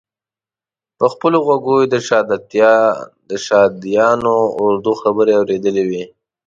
په خپلو غوږو یې د شهادیانو اردو خبرې اورېدلې وې.